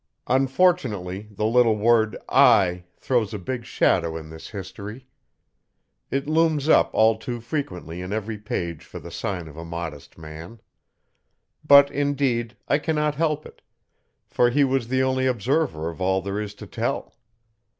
Unfortunately the little word 'I' throws a big shadow in this history. It looms up all too frequently in every page for the sign of a modest man. But, indeed, I cannot help it, for he was the only observer of all there is to tell.